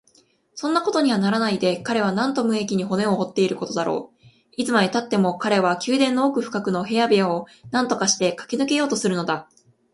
そんなことにはならないで、彼はなんと無益に骨を折っていることだろう。いつまでたっても彼は宮殿の奥深くの部屋部屋をなんとかしてかけ抜けようとするのだ。